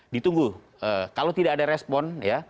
ditunggu kalau tidak ada respon